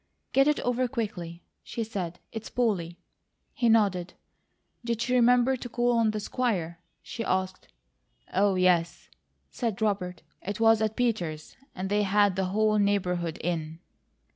"Get it over quickly," she said. "It's Polly?" He nodded. "Did she remember to call on the Squire?" she asked. "Oh, yes," said Robert. "It was at Peters', and they had the whole neighbourhood in."